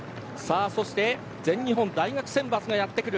そして全日本大学選抜がやって来る。